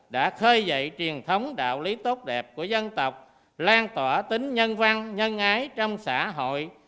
đã khơi dậy truyền thống đạo lý tốt đẹp của dân tộc lan tỏa tính nhân văn nhân ái trong xã hội